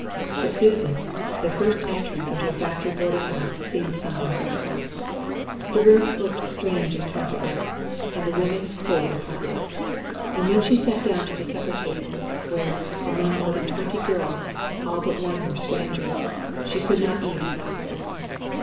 To Susan, the first entrance into a factory boarding house seemed something dreadful. The rooms looked strange and comfortless, and the women cold and heartless; and when she sat down to the supper table, where, among more than twenty girls, all but one were strangers, she could not eat a mouthful.